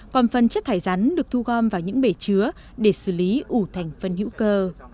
còn phần chất thải rắn được thu gom vào những bể chứa để xử lý ủ thành phân hữu cơ